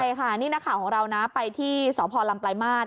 ใช่ค่ะนี่นักข่าวของเรานะไปที่สพลำปลายมาตร